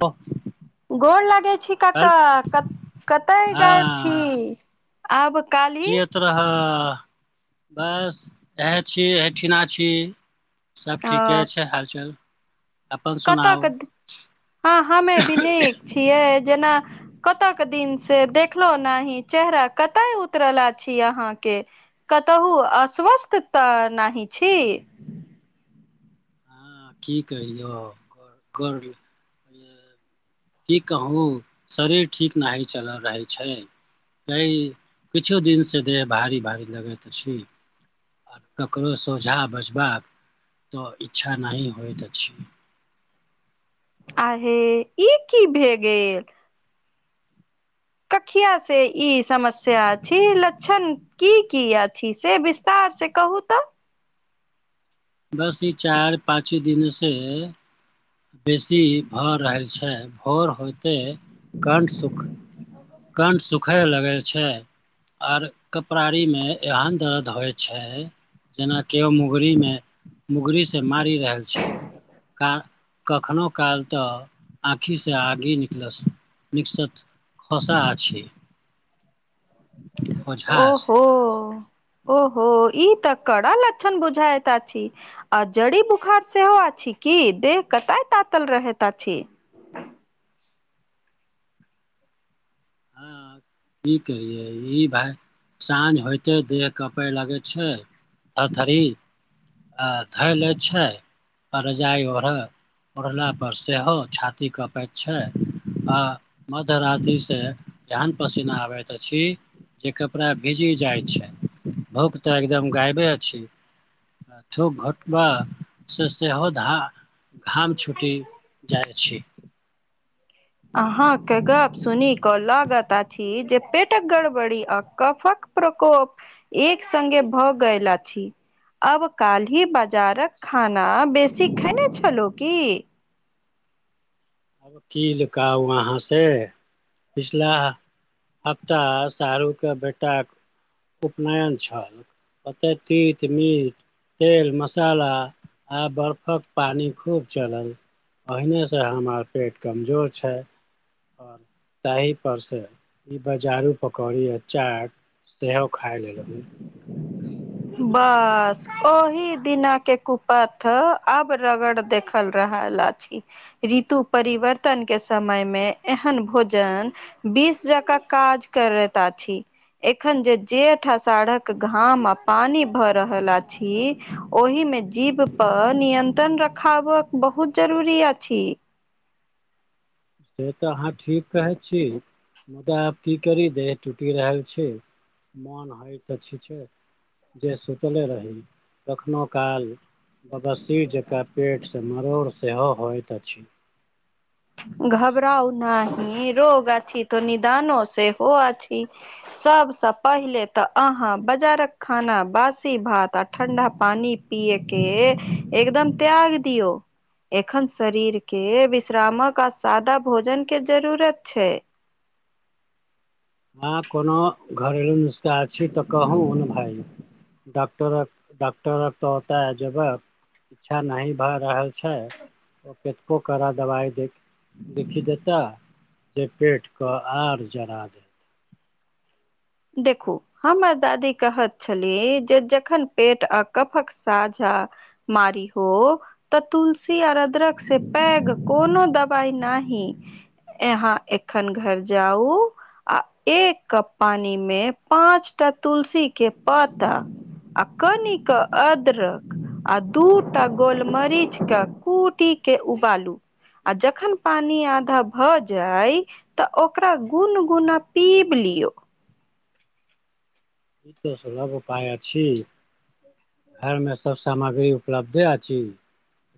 ह [unintelligible] गोर लगै छी कक्का क कतय गायब छी। हँ आब काल्हि श रह। बस इएहे छी इहे ठना छी। सब अ ठीके छै हालचाल। अपन कतऽ सुनाउ के थ हँ हमे भी नीक छियै जेना कत के दिन से देखलहु नाही, चेहरा कतय उतरल आछी अहाँके। कतहु अस्वस्थ तऽ नाहि छी? कि करीयौ कर कि कहूं शरीर ठीक नाही चलल रहै छै। तैंई किछु दिनसँ देह भारी भारी लगैत अछि। आ ककरो सोझा बजबाक तऽ इच्छा नहि होइत अछि। आहे ई कि भे गेल। कखिया से ई समस्या छी। लक्षण किय किया छी से विस्तार से कहू तऽ। बस ई चारि पाँचे दिन से बेसी भऽ रहल छै। भोर होइते कण्ठ सुख खय लगय छै, आर कपड़ारी मे एहन दर्द होइ छै जेना किओ मुगरी मे, मुगरी से मारै ल आयल छै। का कखनोहु काल तऽ आँखिसँ आगि निकलस निकसत पसा अछि। ओझा ओहो अछि ओहो ई तऽ कड़ा लक्षण बुझायत अछि। आ जड़ी बुखार सेहो अछि कि? देह कऽतय तातल रहैत अछि। हँ कि करियै ई भाय साँझ होयइते देह कपै लगै छै, थरथरी आ धाय लै छै, रजाई ओढल ओढ़ला पर सेहो छाती कपैत छै, आ मध्यराति सऽ जहन पसीना आबेत अछि जे कपड़ा भीजी जायत छै। भूख तऽ एकदम गायबे अछि। थुक घोटबा से सेहो धाह घाम छुटी जाइत छी। अहाँके गप्प सुनि कऽ लागत अछि जे पेटक गड़बड़ी आ कफक प्रकोप एक संगे भऽ गेयल अछि। अब काल्हि बजारक खाना बेसी खेने छलहुँ की? कील काउ आहाँ से। पिछला हप्ताह शाहरुके बेटाक उपनयन छल। ओतै तीत मीट तेल, मसाला आ बर्फक पानि खूब चलल। ओहिनेसँ हमर पेट कमजोर छैय। तहि पर से ई बजारू पकौड़ी आ चाट सेहो खाय लेलहुं। बस ओहि दिना के कुपथ अब रगड़ देख ल रहल अछि ऋतु परिवर्तन के समय मे एहन भोजन बीस जकाँ काज करैत आछि। एखन जे जेठ असाढ़कऽ घाम पानी भऽ रहल अछि, ओहि मे जीभ पर नियंत्रण रखावक बहुत जरूरी अछि। से तऽ अहाँ ठीक कहैत छी। मुदा आब की करी देह टूटि रहल छैय मन होयत अछि जे जे सुतले रही कखनहुॅं काल बाबा सिर जकाँ पेटसँ मरोड़ सेहो होइत अछि। घबराउ नहि रोग अछि तऽ निदानो सेहो अछि। सभसँ पहिले तऽ अहाँ बाजारक खाना, बासी भात आ ठण्ढा पानि पियएके एकदम त्यागि दियऔ। एखन शरीर के विश्रामक आ सादा भोजन के जरूरत छैय। अहाॅं कोनो घरेलू नुस्खा अछि तऽ कहू ने भाय। डॉक्टरक, डाक्टरक तऽ ओतऽ जेबै। इच्छा नही भए रहल छैय ओ कैतको करऽ दबाइ दय के लिखि देता जे पेट कऽ आर जरा देत। देखू हमर दादी कहैत छलीह जे जखन पेट आ कफक सााँझा मारी हो तऽ तुलसी और अदरक से पैघ कोनो दबाई नाहि। यहाँ एखन घर जाउ आ एक कप पानी मे मे पाँचटा तुलसी के पाता आ कनि कऽ अदरक आ दूटा गोल मरीचके कूटी के उबालू। आ जखन पानी आधा भऽ जाय। तऽ ओकरा गुन गुना पीब लियो। ई तऽ सुलम उपाय अछी। एमे सब सामग्री उपलब्धे अछि।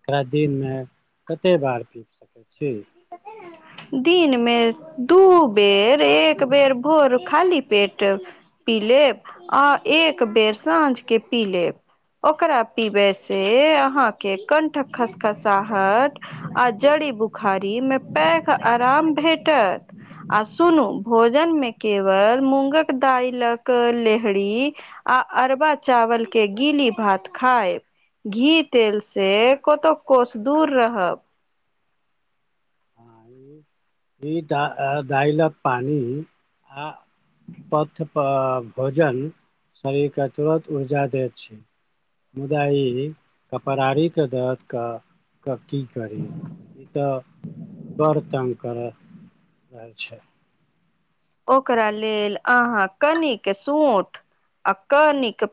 एकरा दिन मे कते बार पी सकै छी। कते ने दिनमे दू बेर एक बेर भोर खाली पेट पी लेब आ एक बेर साँझ के पी लेब। ओकरा पिबै से अहाँके कण्ठक खसखसाहट आ जड़ी बुखारी मे पैग आराम भेटत। आ सुनू भोजन मे केवल मूंगक दालक लेहड़ी आ अरबा चावल के गीली भात खायब। घी तेलसँ कतहु कोस दूर रहब। [inaudible] ई द दइलक पानी आ पथ पर भोजन शरीर के तुरत ऊर्जा दैत छैय। मुदा ई कपरारी के दर्द क क की करै ई त बर तंग करय जाये छै। ओकरा लेल अहाँ कनिक सोंठ आ कनिक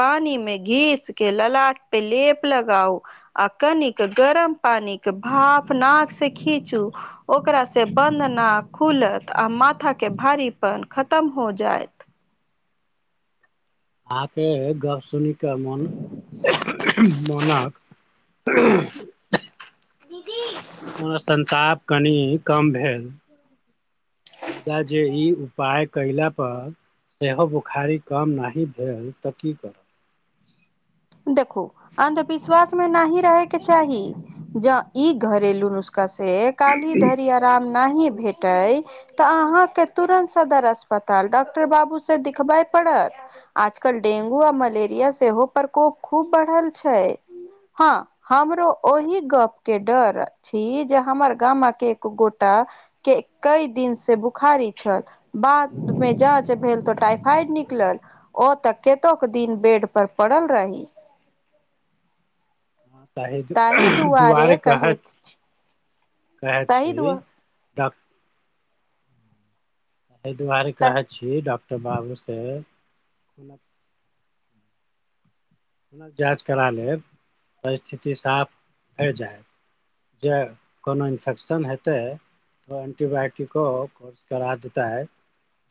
पानी मे घीस के ललाट पे लेप लगाउ। आ कनिक गरम पानी भाप नाक से खींचू। ओकरा से बंद नाक खुलत आ माथा के भारीपन खतम हो जायइत। अहाँके गप सुनिकऽ मन मनक दीदि संताप कनि कम भेल मुदा जे ई उपाय कयला पर सेहो बुखारी कम नहि भेल तऽ की करब? देखो अन्धविश्वास मे नहि रहेके चाही। ज ई घरेलू नुस्खा से काल्हि धरि आराम नहि भेटै तऽ अहाँके तुरन्त सदर अस्पताल डॉक्टर बाबूसँ देखिखबय पड़त। आजकल डेंगू आ मलेरिया सेहो प्रकोप खूब बढ़ल छै। हँ हमरो ओहि गप के डर अछि, जे हमर गामक एक गोटा के कई दिन से बुखारी छल बाद मे जाँच भेल तऽ टाइफाइड निकलल। ओ तऽ केतो के दिन बेड पर पड़ल रही। ताहे ताहि दुआरे कह कहैत छी कहै ताहि छी दुआ डॉ एहि दुआरे त कहै छी डॉक्टर बाबू से जाँच करा लेब तऽ स्थिति साफ होइ जायत। जे कोनो इन्फेक्शन हेतै? त एन्टीबायोटिको कोर्स करा देतै।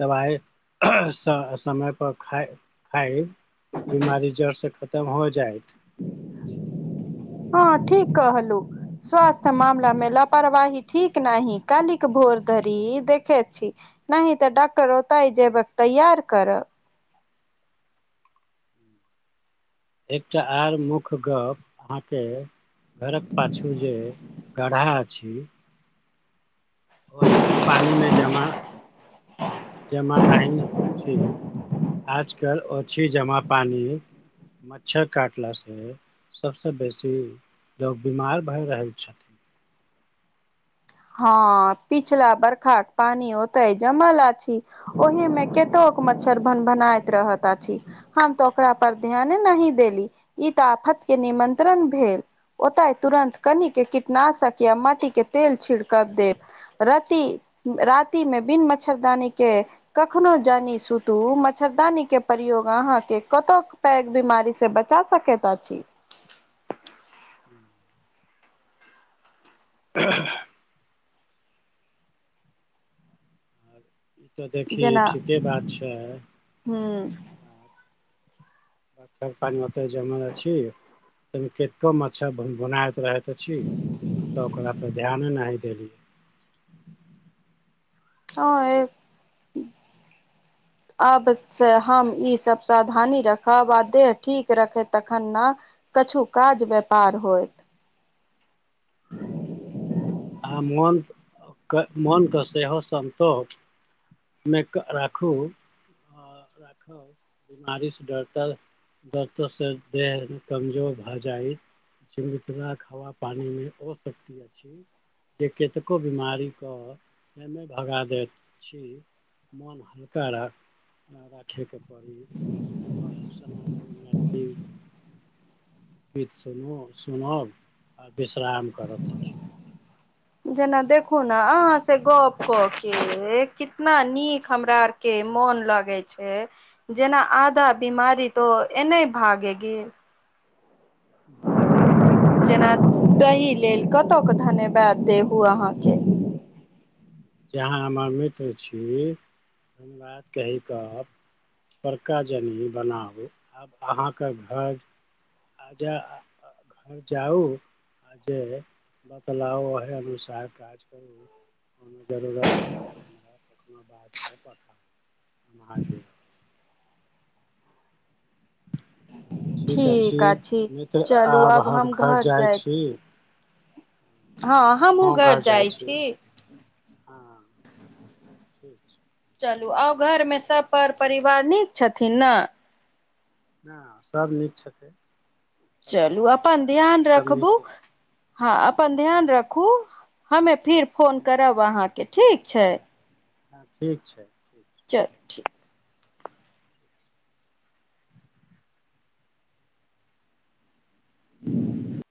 दबाइ समयपर खाइ खाइ बीमारी जड़ से खतम हो जायत। हँ ठीक कहँलु। स्वास्थ्य मामला मे लापरवाही ठीक नहि, कालिक भोर धरी देखे छी नहि तऽ डॉक्टर ओत ह जेबक तैयार करब। एकटा आओर मुख्य गप अहाँके घरक पाछू जे गढ़ा अछि ओहि मे पानी मे जमा जमा नइन छी। आजकल ओ छी जमा पानी मच्छर काटला से सबसे बेसी लोग बीमार भर रह छै। हँ पिछला बरखा के पानी ओतय जमल अछि। ओहिमे कतो मच्छर भन भनाइत रहत अछि। हम तऽ ओकरा पर ध्यान नहि देली ई तऽ आफत के निमन्त्रण भेल। ओतय तुरन्त कनि के कीटनाशक या मटी के तेल छिड़क देब। रति राति मे बिन मच्छरदानी के कखनो जानी सुतू मच्छरदानीके प्रयोग अहाँके कतक पैघ बीमारी से बचा सकेत अछी। [unintelligible] आ, ई तऽ देखी ठीके बात छै। ह्म्म। [unintelligible] पानी मे ओते जाई माला छी, कनीके कम मच्छर भुनभुनाइत रहत। अछी हम तऽ ओकरा पर ध्यान नहि ही देलियै। ह एक आब से हम ई सब सावधानी रखब आ देह ठीक रखे तखन ने - - कछु काज व्यापार होय। आ मनु के मनु के सेहो सन्तोष। मेक राखु आर राखब। बीमारी से दर कल दरदो से देह कमजोर भर जाइ। जे मिथिला के हवा पानी मे ओ शक्ति अछि। जे कतेको बीमारी क केने भगा दैत छी। मन हल्का रा राखेके पड़ी आ समध मैथिली [unintelligible] गीत सुनू सुनब आ विश्राम करब बुझी। जेना देखू ने अहाँसँ गप कऽ के कितना नीक हमरा - - के मन लगे छै जेना आधा बीमारी तो एने भागे गेल। हू जेना तही लेल कतयके धन्यवाद देहू अहाँके जहाँ हमर मित्र छी अही बात कहि क - - बड़का जनी बनाउ आब अहाँके घर- - आ जा आ अ घर जाउ आ जे बदलाउ ओहि अनुसार काज करू। कोनो जरूरत होइ तऽ हमरा कखनो बाज कऽ पठाउ हम हाजीर रहब। ठीक क ठीक चलू आब हम घर जाइत छी। हँ हमहूँ घर जाइ छी। हँ ठीक छैय। चलू आउ घरमे सब पर परिवार नीक छथिन न। ना सब नीक छथिन। चलू अपन ध्यान सभ रखबु। नीक अइ। हँ अपन ध्यान रखू हमे फिर फोन करब अहाँके ठीक छैय। हँ ठीक छैय। चलु ठीक- - छै [inaudible]